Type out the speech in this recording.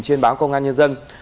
trên báo công an nhân dân